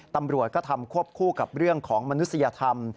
ตำรวจก็ทำควบคู่กับเรื่องของมนุษยธรรม